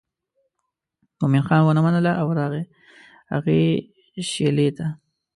مومن خان ونه منله او راغی هغې شېلې ته.